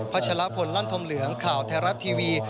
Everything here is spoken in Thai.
ชะละพลลั่นธมเหลืองข่าวไทยรัฐทีวี